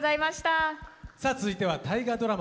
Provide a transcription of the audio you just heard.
さあ続いては大河ドラマ